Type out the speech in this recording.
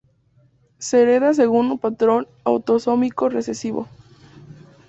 Se hereda según un patrón autosómico recesivo.